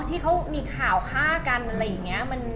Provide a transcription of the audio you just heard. ที่เขามีข่าวฆ่ากันอะไรอย่างนี้